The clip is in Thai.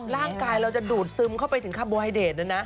ร่างกายเราจะดูดซึมเข้าไปถึงคาร์โบไฮเดตด้วยนะ